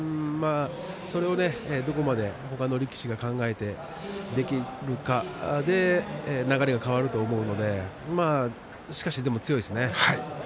それをどこまで他の力士が考えてできるかそれで流れが変わると思うのでしかし、でも照ノ富士は強いですね。